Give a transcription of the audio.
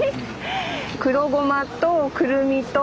黒ごまとくるみと？